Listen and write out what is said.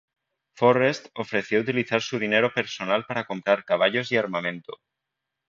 Forrest ofreció utilizar su dinero personal para comprar caballos y armamento.